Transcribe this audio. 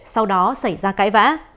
sau đó xảy ra cãi vã